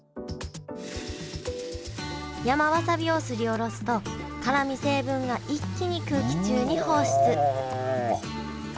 山わさびをすりおろすと辛み成分が一気に空気中に放出うわ。